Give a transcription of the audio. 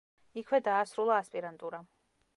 იქვე დაასრულა ასპირანტურა.